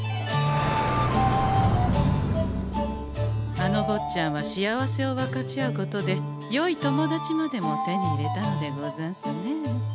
あのぼっちゃんは幸せを分かち合うことでよい友達までも手に入れたのでござんすね。